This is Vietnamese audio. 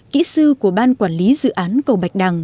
kỹ sư của ban quản lý dự án cầu bắc